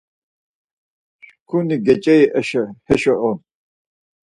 Şǩuni ceç̌eri hişo on.